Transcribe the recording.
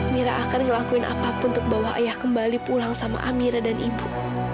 mira akan ngelakuin apapun untuk bawa ayah kembali pulang sama amira dan ibu